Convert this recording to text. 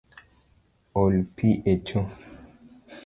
Ol pi echo